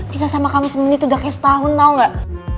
bisa sama kamu semenit itu udah kayak setahun tau gak